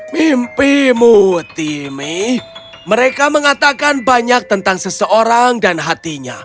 mimpimu timmy mereka mengatakan banyak tentang seseorang dan hatinya